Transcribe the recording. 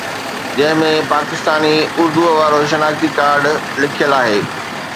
جنهن ۾ پاڪستاني اردوءَ وارو شناختي ڪارڊ لکيل آهي